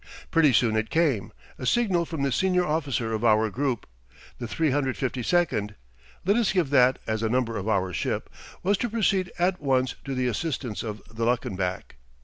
Pretty soon it came, a signal from the senior officer of our group. The 352 let us give that as the number of our ship was to proceed at once to the assistance of the Luckenbach.